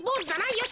よし！